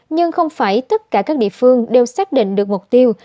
nhưng không phải tất cả các địa phương đều xác định được mục tiêu